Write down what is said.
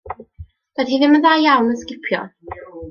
Doedd hi ddim yn dda iawn yn sgipio.